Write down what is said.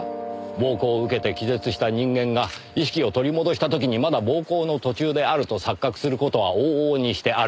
暴行を受けて気絶した人間が意識を取り戻した時にまだ暴行の途中であると錯覚する事は往々にしてある事。